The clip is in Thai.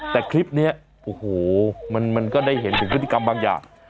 แต่คลิปนี้โอ้โหมันก็ได้เห็นถึงพฤติกรรมบางอย่าง